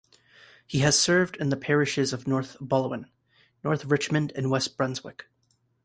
He has served in the parishes of North Balwyn, North Richmond and West Brunswick.